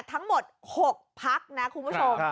ทั้งหมด๖พักนะคุณผู้ชม